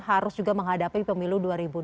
harus juga menghadapi pemilu dua ribu dua puluh